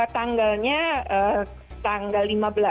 tanggalnya tanggal lima belas